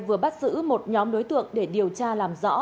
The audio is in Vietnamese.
vừa bắt giữ một nhóm đối tượng để điều tra làm rõ